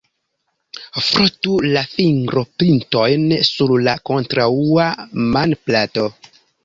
Frotu la fingropintojn sur la kontraŭa manplato.